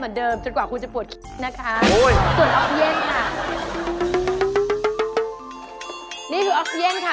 รูดออกแพ